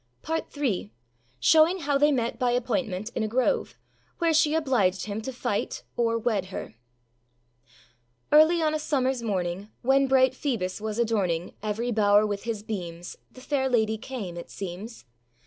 â PART III. SHOWING HOW THEY MET BY APPOINTMENT IN A GROVE, WHERE SHE OBLIGED HIM TO FIGHT OR WED HER. Early on a summerâs morning, When bright Phoebus was adorning Every bower with his beams, The fair lady came, it seems.